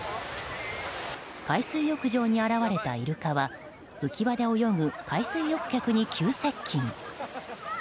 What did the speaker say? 海水浴場に現れたイルカは浮き輪で泳ぐ海水浴客に急接近。